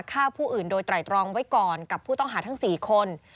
ฆ่าผู้อื่นโดยไตรตรองไว้ก่อนกับผู้ต้องหาทั้ง๔คน